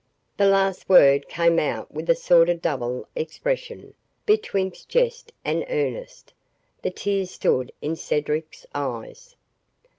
The last word came out with a sort of double expression, betwixt jest and earnest. The tears stood in Cedric's eyes.